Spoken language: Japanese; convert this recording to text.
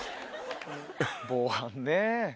防犯ね。